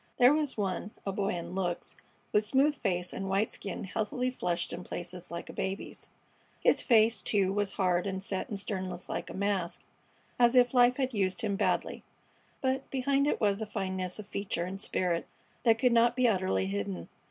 There was one, a boy in looks, with smooth face and white skin healthily flushed in places like a baby's. His face, too, was hard and set in sternness like a mask, as if life had used him badly; but behind it was a fineness of feature and spirit that could not be utterly hidden.